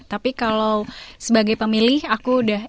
tapi kalau sebagai pemilih aku udah